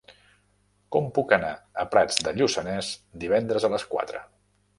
Com puc anar a Prats de Lluçanès divendres a les quatre?